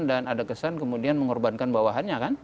dan ada kesan kemudian mengorbankan bawahannya